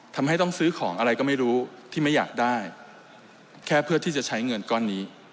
ทำให้ต้องซื้อของอะไรก็ไม่รู้ที่ไม่อยากได้แค่เพื่อที่จะใช้เงินก้อนนี้